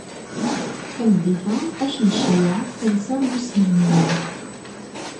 Tameddit-a, ad ak-n-ceggεeɣ tansa n usmel-nni.